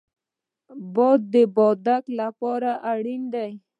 باد د بادک لپاره اړین دی